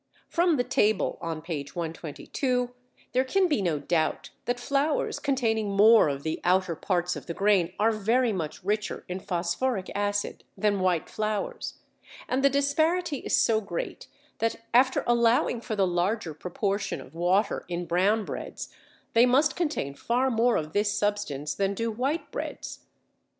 From the table on page 122 there can be no doubt that flours containing more of the outer parts of the grain are very much richer in phosphoric acid than white flours, and the disparity is so great that after allowing for the larger proportion of water in brown breads they must contain far more of this substance than do white breads.